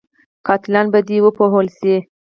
قاتلان په دې وپوهول شي.